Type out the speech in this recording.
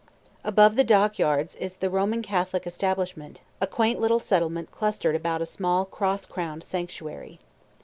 Above the dock yards is the Roman Catholic establishment, a quiet little settlement clustered about a small cross crowned sanctuary.